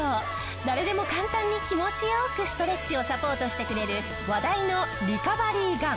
誰でも簡単に気持ち良くストレッチをサポートしてくれる話題のリカバリーガン！